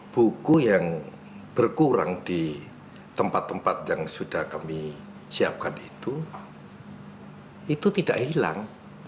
buku yang berkurang di tempat tempat yang sudah kami siapkan itu itu tidak hilang